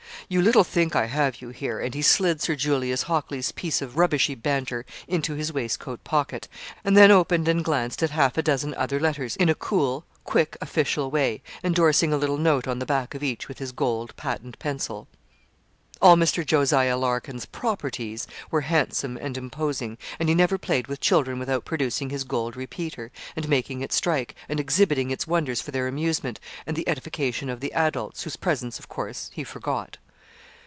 You little think I have you here! and he slid Sir Julius Hockley's piece of rubbishy banter into his waistcoat pocket, and then opened and glanced at half a dozen other letters, in a cool, quick official way, endorsing a little note on the back of each with his gold, patent pencil. All Mr. Jos. Larkin's 'properties' were handsome and imposing, and he never played with children without producing his gold repeater, and making it strike, and exhibiting its wonders for their amusement, and the edification of the adults, whose presence, of course, he forgot.